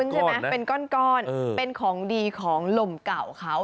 ใช่ไหมเป็นก้อนเป็นของดีของลมเก่าเขา